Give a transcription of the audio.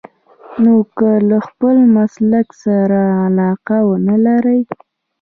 نو که له خپل مسلک سره علاقه ونه لرئ.